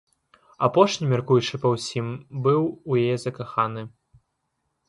Апошні, мяркуючы па ўсім, быў у яе закаханы.